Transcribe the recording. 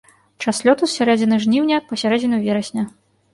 Час лёту з сярэдзіны жніўня па сярэдзіну верасня.